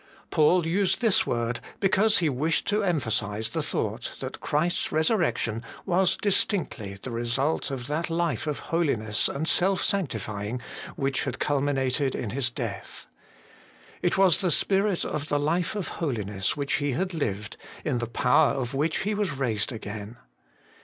1 Paul used this word, because He wished to emphasize the thought, that Christ's resurrection was distinctly the result of that life of holiness and self sanctifying which had culminated in His death. It was the spirit of the life of holiness which he had lived, in the power of which He was raised again.